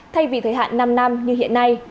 thay vì thời hạn năm năm như hiện nay